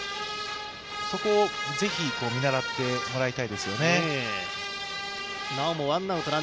そこをぜひ見習ってもらいたいですよね。